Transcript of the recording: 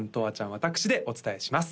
私でお伝えします